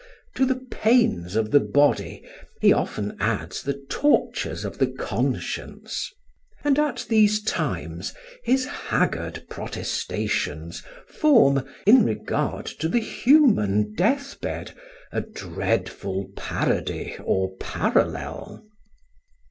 To the pains of the body he often adds the tortures of the conscience; and at these times his haggard protestations form, in regard to the human deathbed, a dreadful parody or parallel.